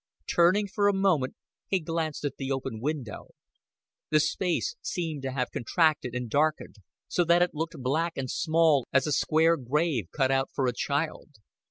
Turning for a moment, he glanced at the open window. The space seemed to have contracted and darkened, so that it looked black and small as a square grave cut out for a child.